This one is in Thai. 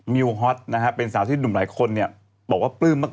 มิวฮอตนะฮะเป็นสาวที่หนุ่มหลายคนเนี่ยบอกว่าปลื้มมาก